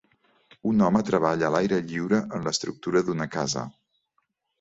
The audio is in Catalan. Un home treballa a l'aire lliure en l'estructura d'una casa.